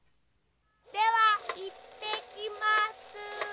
ではいってきます。